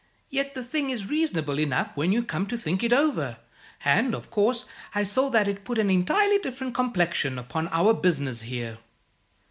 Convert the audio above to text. Yet the thing is reasonable enough when you come to think it over; and, of course, I saw that it put an entirely different complexion upon our business here."